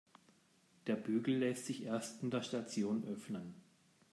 Der Bügel lässt sich erst in der Station öffnen.